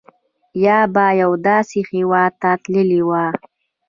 یا به یوه داسې هېواد ته تللي وای.